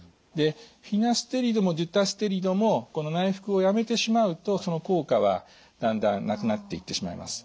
フィナステリドもデュタステリドもこの内服をやめてしまうとその効果はだんだんなくなっていってしまいます。